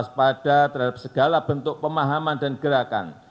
kita harus waspada terhadap segala bentuk pemahaman dan gerakan